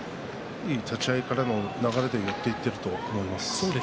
いい立ち合いからの流れでいけていると思います。